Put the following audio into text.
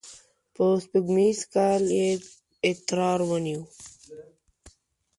په سپوږمیز کال کې یې اترار ونیو.